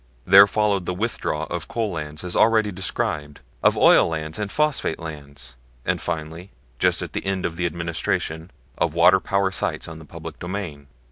There followed the withdrawal of coal lands as already described, of oil lands and phosphate lands, and finally, just at the end of the Administration, of water power sites on the public domain.